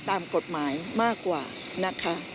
ตามกฎหมายมากกว่านะคะ